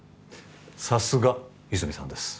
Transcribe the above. さすが泉さんです